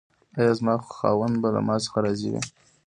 ایا زما خاوند به له ما څخه راضي وي؟